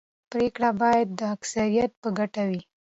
پرېکړې باید د اکثریت په ګټه وي